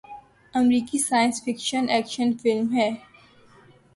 امریکی science fiction action film ہے